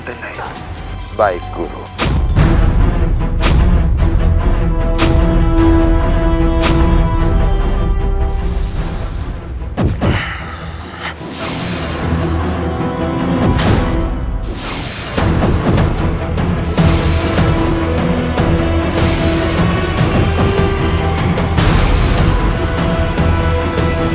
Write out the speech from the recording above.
kau pikir aku takut dengan